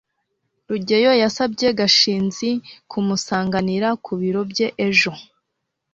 rugeyo yasabye gashinzi kumusanganira ku biro bye ejo